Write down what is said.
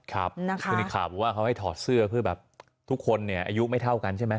คือในข่าวบอกว่าเขาให้ถอดเสื้อเพื่อแบบทุกคนเนี่ยอายุไม่เท่ากันใช่ไหม